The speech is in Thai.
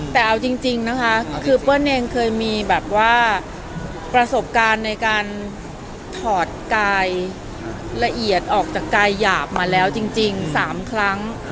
แต่เอาจริงนะคะคือเปิ้ลเองเคยมีแบบว่าประสบการณ์ในการถอดกายละเอียดออกจากกายหยาบมาแล้วจริง๓ครั้ง